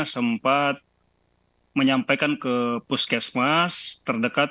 saya menyampaikan ke puskesmas terdekat